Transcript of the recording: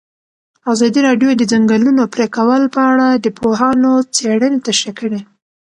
ازادي راډیو د د ځنګلونو پرېکول په اړه د پوهانو څېړنې تشریح کړې.